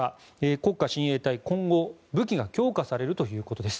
国家親衛隊は今後、武器が強化されるということです。